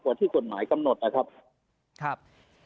ที่กฎหมายกำหนดนะครับครับ